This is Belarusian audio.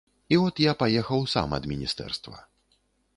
І от я паехаў сам ад міністэрства.